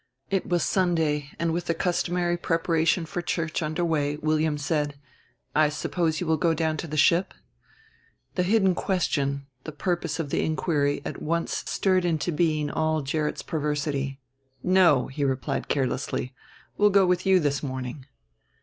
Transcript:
It was Sunday; and with the customary preparation for church under way William said: "I suppose you will go down to the ship?" The hidden question, the purpose of the inquiry, at once stirred into being all Gerrit's perversity. "No," he replied carelessly; "we'll go with you this morning."